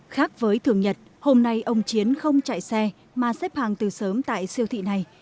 khác với thường nhật hôm nay ông chiến không chạy xe mà xếp hàng từ sớm tại siêu thị này